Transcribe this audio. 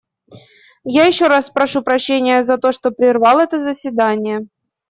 Я еще раз прошу прощения за то, что прервал это заседание.